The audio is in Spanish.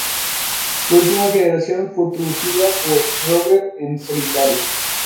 La última generación fue producida por Rover en solitario.